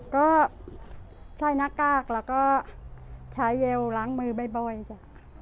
ก็ใส่หน้ากากแล้วก็ใช้เยลล้างมือบ่อยจ้ะ